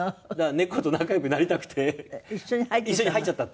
猫と仲良くなりたくて一緒に入っちゃったっていう写真かな。